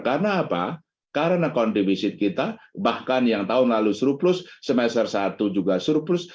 karena apa karena akun divisit kita bahkan yang tahun lalu surplus semester satu juga surplus